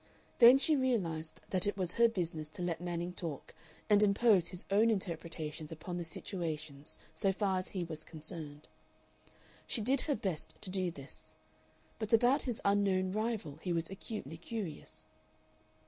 Then she realized that it was her business to let Manning talk and impose his own interpretations upon the situation so far as he was concerned. She did her best to do this. But about his unknown rival he was acutely curious.